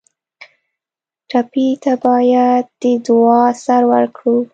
ټپي ته باید د دعا اثر ورکړو.